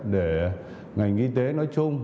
để ngành y tế nói chung